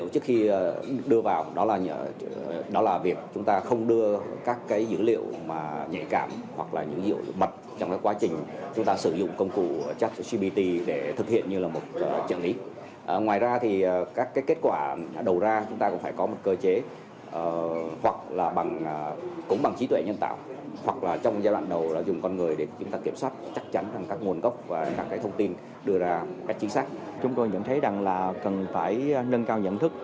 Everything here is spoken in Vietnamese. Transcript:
chúng tôi nhận thấy rằng là cần phải nâng cao nhận thức